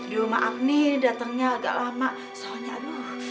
duh maaf nih datengnya agak lama soalnya aduh